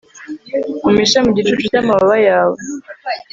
umpishe mu gicucu cy'amababa yawe